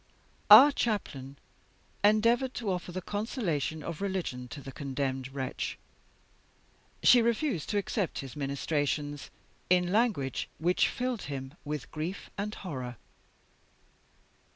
Our Chaplain endeavored to offer the consolations of religion to the condemned wretch. She refused to accept his ministrations in language which filled him with grief and horror.